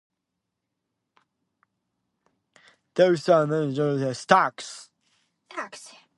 Zabur Writings could be found on palimpsest form written on papyri or palm-leaf stalks.